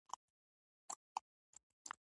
د پوتین د ورتګ په اړه امریکا لا دریځ نه دی ښکاره کړی